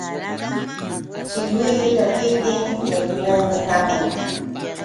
Chiwillu takiptin llakinaymi hamun.